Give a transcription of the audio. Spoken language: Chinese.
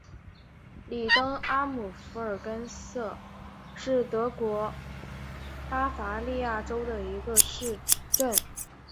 里登阿姆福尔根塞是德国巴伐利亚州的一个市镇。